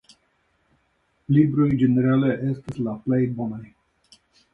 Libroj ĝenerale estas la plej bonaj.